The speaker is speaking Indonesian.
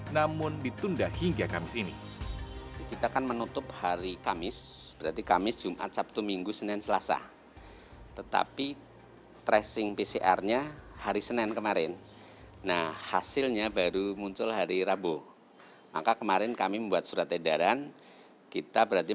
namun ditunda hingga kamis ini